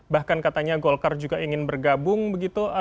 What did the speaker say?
bahkan katanya golkar juga ingin bergabung begitu